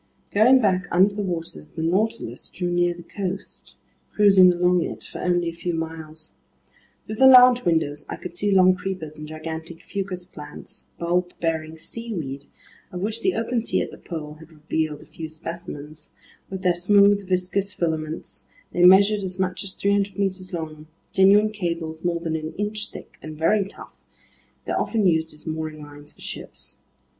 Going back under the waters, the Nautilus drew near the coast, cruising along it for only a few miles. Through the lounge windows I could see long creepers and gigantic fucus plants, bulb bearing seaweed of which the open sea at the pole had revealed a few specimens; with their smooth, viscous filaments, they measured as much as 300 meters long; genuine cables more than an inch thick and very tough, they're often used as mooring lines for ships.